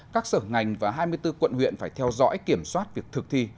các sở ngành và hai mươi bốn quận huyện phải theo dõi kiểm soát việc thực thi